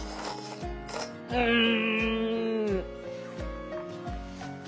うん！